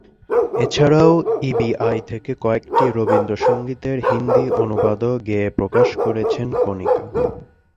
এছাড়াও E B I থেকে কয়েকটি রবীন্দ্রসঙ্গীতের হিন্দি অনুবাদও গেয়ে প্রকাশ করেছেন কণিকা।